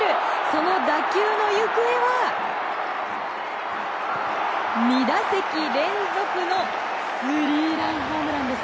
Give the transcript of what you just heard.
その打球の行方は２打席連続のスリーランホームランです！